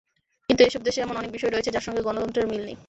কিন্তু এসব দেশে এমন অনেক বিষয় রয়েছে, যার সঙ্গে গণতন্ত্রের মিল নেই।